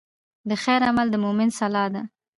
د خیر عمل د مؤمن سلاح ده.